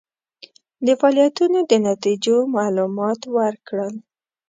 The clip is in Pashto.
د فعالیتونو د نتیجو معلومات ورکړل.